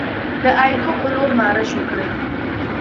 د ایدو په لور مارش وکړي.